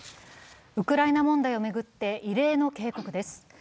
ウクライナ問題を巡って異例の警告です。